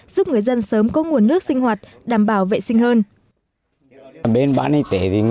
giúp người dân sớm có nguồn nước sinh hoạt đảm bảo vệ sinh hơn